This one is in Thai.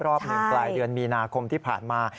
รอบหนึ่งปลายเดือนมีนาคมที่ผ่านมา